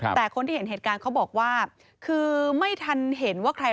เนี่ยค่ะแล้วก็มีผู้ที่เห็นเหตุการณ์เขาก็เล่าให้ฟังเหมือนกันนะครับ